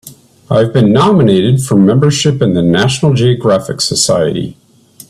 I've been nominated for membership in the National Geographic Society.